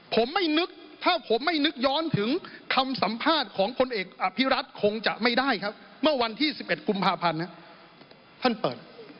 ผมไม่นึกถ้าผมไม่นึกย้อนถึงคำสัมภาษณ์ของพลเอกอภิรัตคงจะไม่ได้ครับเมื่อวันที่๑๑กุมภาพันธ์ท่านเปิด